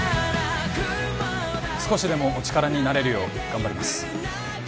少しでもお力になれるよう頑張ります